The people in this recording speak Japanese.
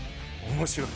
面白い。